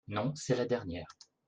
Non, c’est la dernière.